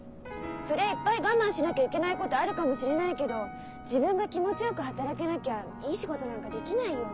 そりゃいっぱい我慢しなきゃいけないことあるかもしれないけど自分が気持ちよく働けなきゃいい仕事なんかできないよ。